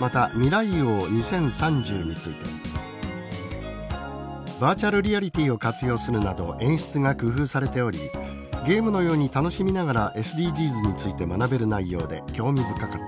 また「未来王２０３０」について「バーチャルリアリティーを活用するなど演出が工夫されておりゲームのように楽しみながらＳＤＧｓについて学べる内容で興味深かった」